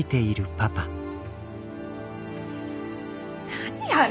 何あれ？